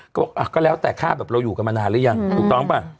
ก็แบบก็แล้วแต่ค่าเรายุจต่อมานานหรือยังถูกต้องป่ะ